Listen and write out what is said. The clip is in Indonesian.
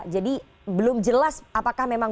jadi belum jelas apakah memang